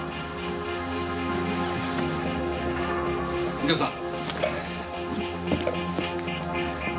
右京さん。